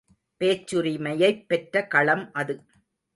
பேச்சுரிமையைப் பெற்ற களம் அது.